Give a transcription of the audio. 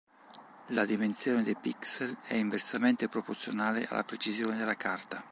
La dimensione dei pixel è inversamente proporzionale alla precisione della carta.